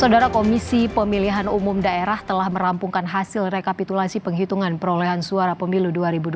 saudara komisi pemilihan umum daerah telah merampungkan hasil rekapitulasi penghitungan perolehan suara pemilu dua ribu dua puluh